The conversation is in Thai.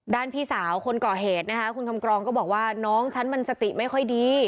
พี่สาวคนก่อเหตุนะคะคุณคำกรองก็บอกว่าน้องฉันมันสติไม่ค่อยดี